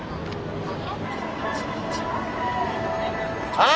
ああ。